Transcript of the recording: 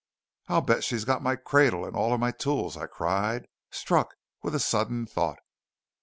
"I'll bet she's got my cradle and all of my tools!" I cried, struck with a sudden thought.